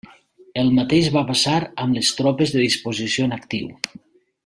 El mateix va passar amb les tropes de disposició en actiu.